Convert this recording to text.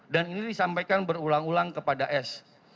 dan ini disampaikan berulang ulang kepada s